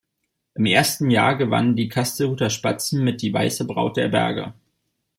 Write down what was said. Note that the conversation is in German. Im ersten Jahr gewannen die Kastelruther Spatzen mit "Die weiße Braut der Berge".